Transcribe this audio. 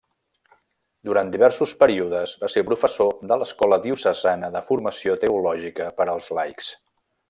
Durant diversos períodes va ser professor de l'escola diocesana de formació teològica per als laics.